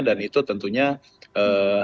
dan itu tentunya harus menjadi catatan terbaik